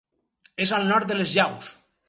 És al nord de les Llaus.